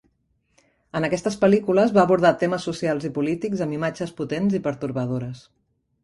En aquestes pel·lícules va abordar temes socials i polítics amb imatges potents i pertorbadores.